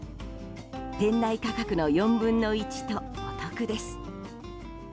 店内価格の４分の１とお得です。